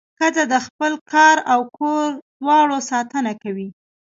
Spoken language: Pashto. ښځه د خپل کار او کور دواړو ساتنه کوي.